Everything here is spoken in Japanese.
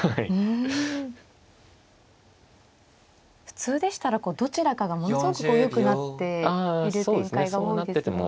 普通でしたらどちらかがものすごくよくなっている展開が多いですが。